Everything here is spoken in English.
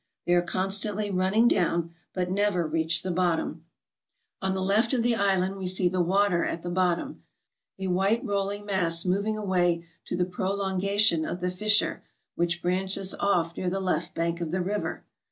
They are constantly running down, but never reach the bottom. vol. vi. — 26 388 TRAVELERS AND EXPLORERS On the left of the island we see the water at the bottom, a white rolling mass moving away to the prolongation of the fissure, which branches off near the left bank of the river.